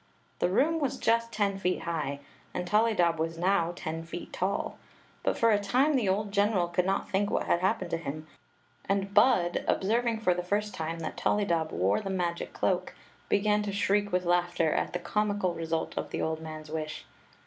The room was just ten feet high, and Tollydob was now ten feet tall ; but for a time the old general could not think what had happened to him, and Bud, observing for the first time that ToUydob wore the m^c cloak, began to shriek with laughter at the comical result of the old man's wish.